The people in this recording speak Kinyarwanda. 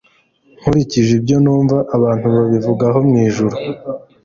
nkurikije ibyo numva abantu babivugaho mwijuru